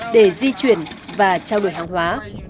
để di chuyển và trao đổi hàng hóa